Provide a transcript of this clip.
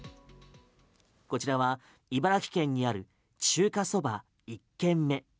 こちらは茨城県にある中華そばいっけんめ。